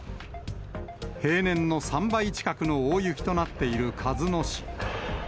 平年の３倍近くの大雪となっている鹿角市。